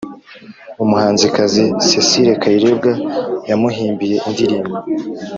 Umuhanzikazi Cecile Kayirebwa yamuhimbiye indirimbo